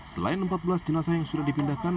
selain empat belas jenazah yang sudah dipindahkan